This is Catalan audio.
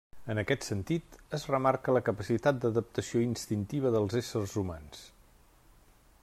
En aquest sentit, es remarca la capacitat d'adaptació instintiva dels éssers humans.